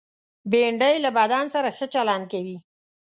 بېنډۍ له بدن سره ښه چلند کوي